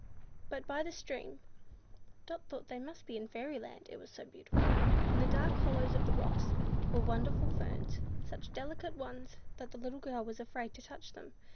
But, by the stream, Dot thought they must be in fairyland; it was so beautiful. In the dark hollows of the rocks were wonderful ferns; such delicate ones that the little girl was afraid to touch them.